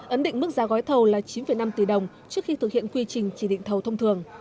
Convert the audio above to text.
ấn định mức giá gói thầu là chín năm tỷ đồng trước khi thực hiện quy trình chỉ định thầu thông thường